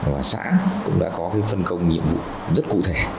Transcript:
và xã cũng đã có cái phân công nhiệm vụ rất cụ thể